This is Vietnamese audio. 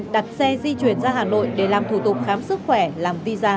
sau hiện nay là hà nội hà nội là một trong những lực lượng chức năng đánh giá